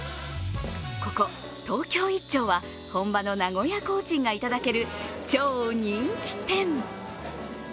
ここ東京弐鳥は本場の名古屋コーチンがいただける超人気店。